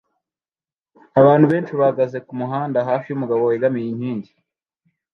Abantu benshi bahagaze kumuhanda hafi yumugabo wegamiye inkingi